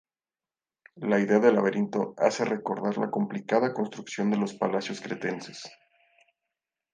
La idea del laberinto hace recordar la complicada construcción de los palacios cretenses.